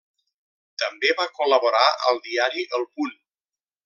També va col·laborar al diari El Punt.